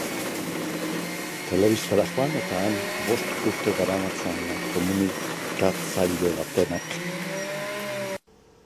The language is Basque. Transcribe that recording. Telebistara joan eta han bost urte daramatzan komunikatzaile batenak.